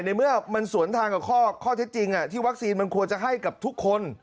ในเมื่อมันสวนทางกับข้อเท็จจริงที่วัคซีนมันควรจะให้กับทุกคน